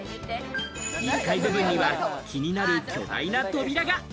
１階部分には気になる巨大な扉が。